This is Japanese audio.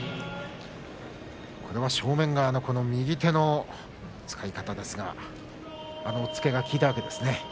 これは正面側の右手の使い方ですがあの押っつけが効いたわけですね。